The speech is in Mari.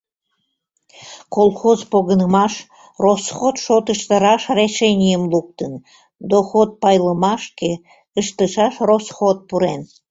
Колхоз погынымаш росход шотышто раш решенийым луктын; доход пайлымашке ыштышаш росход пурен...